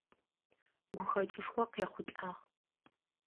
Гухэкӏышхо къехъулӏагъ.